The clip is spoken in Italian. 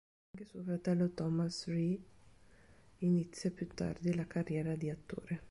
Anche suo fratello Thomas Rea inizia più tardi la carriera di attore.